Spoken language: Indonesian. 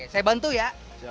saya bantu ya